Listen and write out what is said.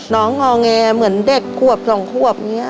น้องงองแยเหมือนเด็กควบ๒ควบ